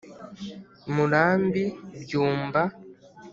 murambi byumba)